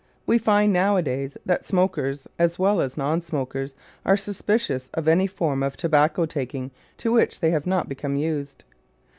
We find nowadays that smokers as well as non smokers are suspicious of any form of tobacco taking to which they have not become used.